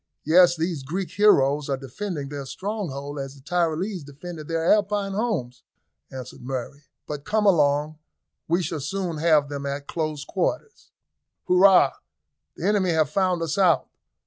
"Yes; these Greek heroes are defending their stronghold as the Tyrolese defended their Alpine homes," answered Murray; "but come along, we shall soon have them at close quarters." "Hurrah! the enemy have found us out.